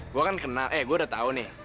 gue kan kenal eh gue udah tau nih